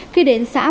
khi đến xã hà nội